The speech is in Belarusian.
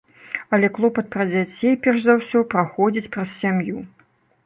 Але клопат пра дзяцей, перш за ўсё, праходзіць праз сям'ю.